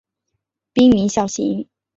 滨名孝行。